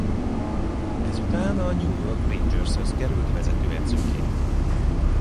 Ezután a New York Rangershez került vezetőedzőként.